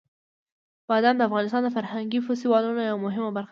بادام د افغانستان د فرهنګي فستیوالونو یوه مهمه برخه ده.